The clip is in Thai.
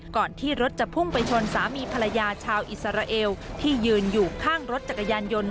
ก่อนที่รถจะพุ่งไปชนสามีภรรยาชาวอิสราเอลที่ยืนอยู่ข้างรถจักรยานยนต์